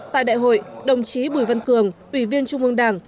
tại đại hội đồng chí bùi văn cường ủy viên trung ương đảng